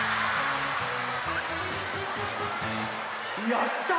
やった！